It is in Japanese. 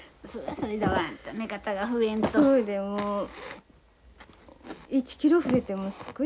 そいでもう１キロ増えてもすっごい喜んで。